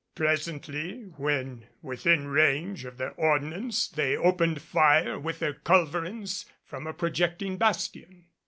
Presently, when within range of their ordnance they opened fire with their culverins from a projecting bastion.